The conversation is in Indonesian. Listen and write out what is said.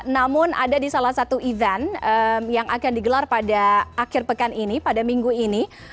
namun ada di salah satu event yang akan digelar pada akhir pekan ini pada minggu ini